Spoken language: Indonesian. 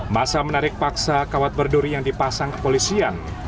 masa menarik paksa kawat berduri yang dipasang kepolisian